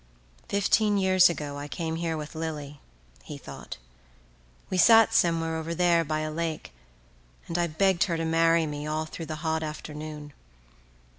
"Fifteen years ago I came here with Lily," he thought. "We sat somewhere over there by a lake and I begged her to marry me all through the hot afternoon.